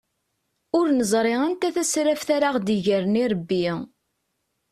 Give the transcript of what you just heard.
Ur neẓri anta tasraft ara aɣ-d-igren irebbi.